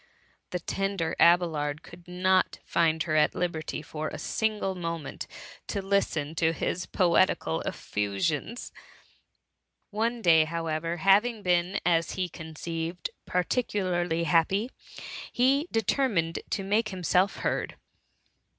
The tender Abelard could not find her at THE MUMMY* 163 liberty for a single momenty to listen to his poetical effiifflons. One day, however^ having been^ as he conceived, particularly happy, he determined to make himself heard.